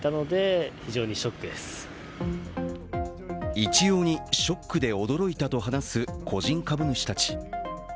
一様にショックで驚いたと話す個人株主たち。